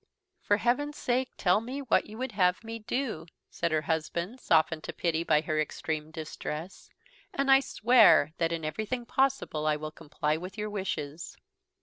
"For heaven's sake, tell me what you would have me do," said her husband, softened to pity by her extreme distress, "and I swear that in everything possible I will comply with your wishes."